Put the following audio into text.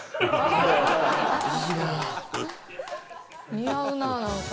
似合うななんか。